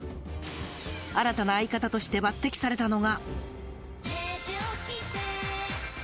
新たな相方として抜てきされたのが。